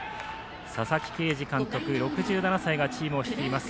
佐々木啓司監督、６７歳がチームを率います。